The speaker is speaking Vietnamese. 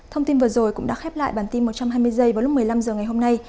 thông tin vừa rồi cũng đã khép lại bản tin một trăm hai mươi h vào lúc một mươi năm h ngày hôm nay